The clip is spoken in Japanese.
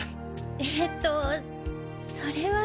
えっとそれは。